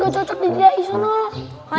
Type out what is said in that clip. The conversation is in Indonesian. gak cocok didirai sana